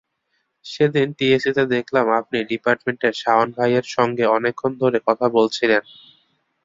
সেদিন টিএসসিতে দেখলাম আপনি ডিপার্টমেন্টের শাওন ভাইয়ের সঙ্গে অনেকক্ষণ ধরে কথা বলছিলেন।